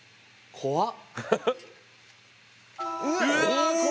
怖っ！